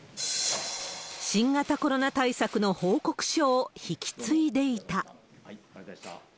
新型コロナ対策の報告書を引き継いでいた。